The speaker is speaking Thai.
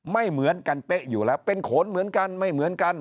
ไม่เหมือนกันเป๊ะอยู่แล้วเป็นโขนเหมือนกันไม่เหมือนกัน